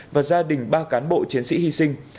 và gia đình ba cán bộ chiến sĩ hy sinh